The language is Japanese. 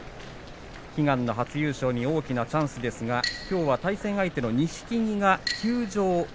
悲願の初優勝に大きなチャンスですがきょうは対戦相手の錦木が休場です。